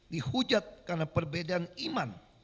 dihujat karena perbedaan iman